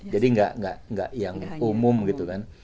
jadi nggak yang umum gitu kan